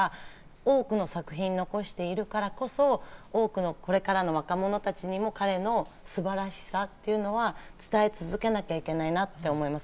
多くの作品を残しているからこそ、これからの若者たちにも彼の素晴らしさというのは伝え続けなきゃいけないなって思います。